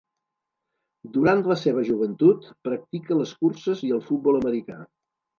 Durant la seva joventut, practica les curses i el futbol americà.